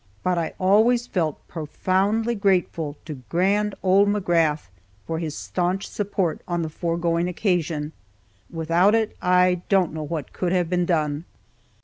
But I always felt profoundly grateful to grand old McGrath for his staunch support on the foregoing occasion; without it, I don't know what could have been done.